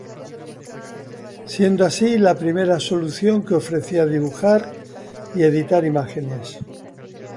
Siendo así la primera solución que ofrecía dibujar y editar imágenes.